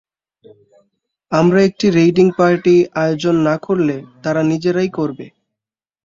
আমরা একটা raiding party আয়োজন না করলে, তারা নিজেরাই করবে।